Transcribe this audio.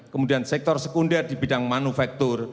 kemudian sektor sekunder di bidang manufaktur